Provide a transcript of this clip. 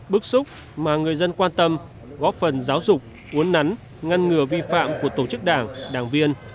bức xúc mà người dân quan tâm góp phần giáo dục uốn nắn ngăn ngừa vi phạm của tổ chức đảng đảng viên